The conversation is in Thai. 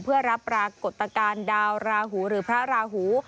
เพื่อรับปรากฏการณ์ดาวราหูหรือพระราหู